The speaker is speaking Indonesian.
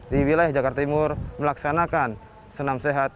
di wilayah jakarta timur melaksanakan senam sehat